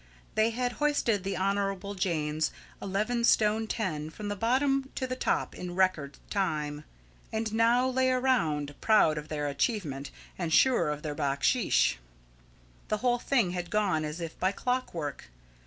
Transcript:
They had hoisted the Honourable Jane's eleven stone ten from the bottom to the top in record time, and now lay around, proud of their achievement and sure of their "backsheesh." The whole thing had gone as if by clock work.